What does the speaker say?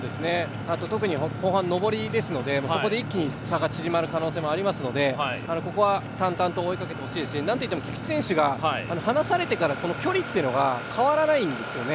特に後半上りですので、そこで一気に差が縮まる可能性もありますのでここは淡々と追いかけてほしいし、何といっても菊地選手が離されてから距離が変わらないんですよね。